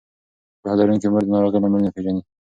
پوهه لرونکې مور د ناروغۍ لاملونه پېژني.